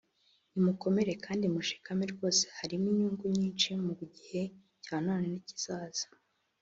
nimukomere kandi mushikame rwose harimo inyungu nyinshi mu gihe cya none n’ikizaza